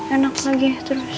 enak lagi terus